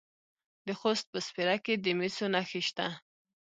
د خوست په سپیره کې د مسو نښې شته.